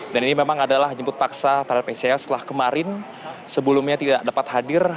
dan ini memang adalah jemput paksa terhadap sel setelah kemarin sebelumnya tidak dapat hadir